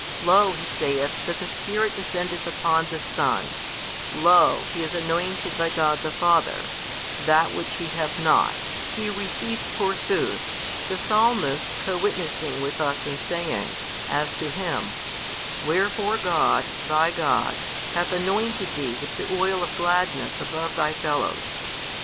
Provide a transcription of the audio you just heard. Lo, he saith that the Spirit descendeth upon the Son; lo, He is anointed by God the Father; That Which He hath not, He receives forsooth, the Psalmist co witnessing with us and saying, as to Him: Wherefore God, Thy God, hath anointed Thee with the oil of gladness above Thy fellows.